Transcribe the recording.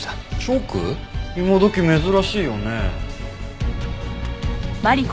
今どき珍しいよね。